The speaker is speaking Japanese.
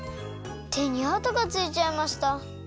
てにあとがついちゃいました。